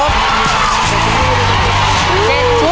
เตรียมตัว